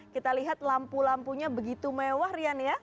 kita lihat lampu lampunya begitu mewah rian ya